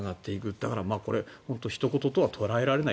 だからひと事とは捉えられない。